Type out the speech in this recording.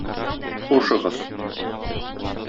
Хушыгыз...